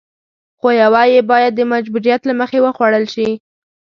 خو يوه يې بايد د مجبوريت له مخې وخوړل شي.